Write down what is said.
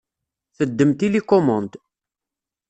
Teddem tilikumund.